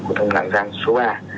của tầng lạng giang số ba